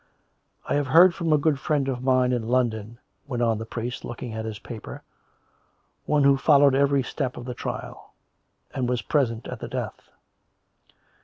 " I have heard from a good friend of mine in London," went on the priest, looking at his paper, " one who followed 102 COME RACK! COME ROPE! every step of the trial ; and was present at the death.